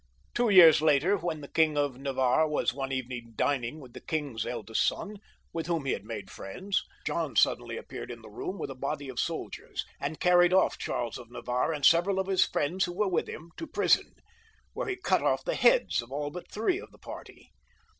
Two years later, when the King of Navarre was one evening dining with the king^s eldest son, with whom he had made great friends, John suddenly appeared in the room with a body of soldiers, and carried off Charles of Navarre and several of his friends who were with him to prison, where he cut off the heads of aU but three of the party.